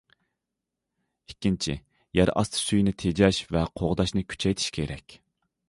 ئىككىنچى، يەر ئاستى سۈيىنى تېجەش ۋە قوغداشنى كۈچەيتىش كېرەك.